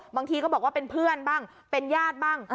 บางทีก็บอกว่าเป็นเพื่อนบ้างเป็นญาติบ้าง